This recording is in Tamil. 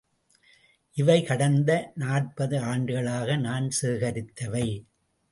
இவை கடந்த நாற்பது ஆண்டுகளாக நான் சேகரித்தவை.